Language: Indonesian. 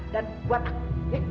dan buat aku